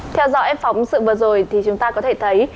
theo dõi phóng sự vừa rồi thì chúng ta có thể thấy